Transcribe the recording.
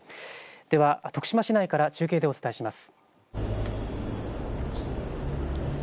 では徳島市内から中継でお伝えします。